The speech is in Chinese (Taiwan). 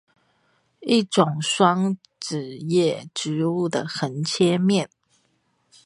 一種雙子葉植物的橫切面